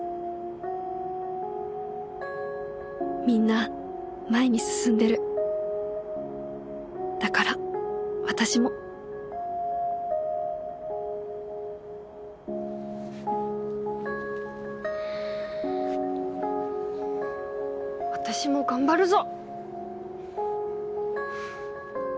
みんな前に進んでるだから私も私も頑張るぞ。